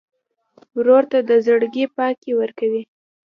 ورور ته د زړګي پاکي ورکوې.